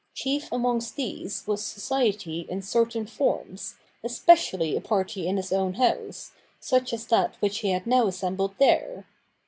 Chief amongst these was society in certain forms, especially a party in his own house, such as that which he had now assembled there.